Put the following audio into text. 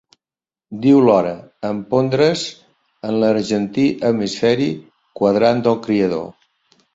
Diu l'hora, en pondre's, en l'argentí hemisferi, quadrant del Criador.